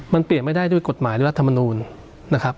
มันเปลี่ยนไม่ได้ด้วยกฎหมายหรือรัฐมนูลนะครับ